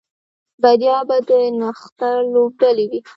بریا به د نښتر لوبډلې وي